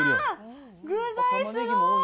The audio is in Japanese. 具材すごい！